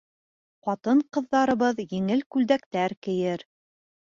Ҡатын-ҡыҙҙарыбыҙ еңел күлдәктәр кейер.